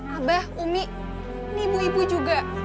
abah umi ibu ibu juga